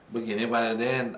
begini pak deden